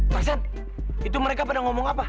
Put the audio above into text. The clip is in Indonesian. maksudnya itu mereka pada ngomong apa